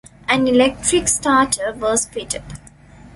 An electric starter was fitted.